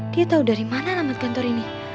dia tau dari mana alamat kantor ini